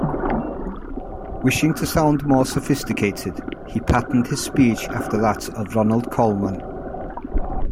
Wishing to sound more sophisticated, he patterned his speech after that of Ronald Colman.